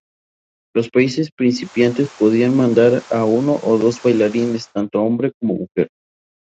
Los países participantes podían mandar a uno o dos bailarines, tanto hombre como mujer.